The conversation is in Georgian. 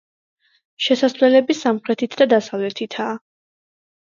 შესასვლელები სამხრეთით და დასავლეთითაა.